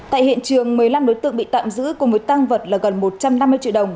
tại hiện trường một mươi năm đối tượng bị tạm giữ cùng với tăng vật là gần một trăm năm mươi triệu đồng